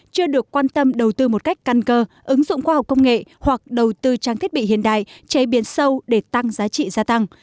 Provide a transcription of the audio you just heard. chưa được quan tâm đầu tư một cách căn cơ ứng dụng khoa học công nghệ hoặc đầu tư trang thiết bị hiện đại chế biến sâu để tăng giá trị gia tăng